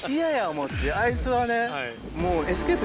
あいつはねもう。